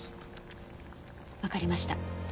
わかりました。